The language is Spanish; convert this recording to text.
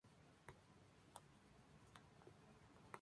Kirk a regañadientes se rinde y ofrece cooperar.